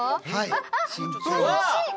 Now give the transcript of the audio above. あっあ楽しい！